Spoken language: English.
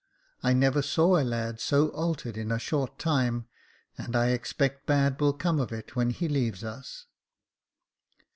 I never saw a lad so altered in a short time, and I expect bad will come of it, when he leaves us."